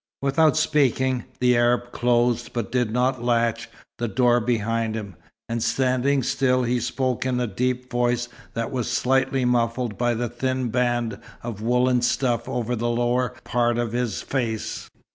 Without speaking, the Arab closed, but did not latch, the door behind him; and standing still he spoke in the deep voice that was slightly muffled by the thin band of woollen stuff over the lower part of his face.